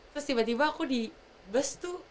terus tiba tiba aku di bus tuh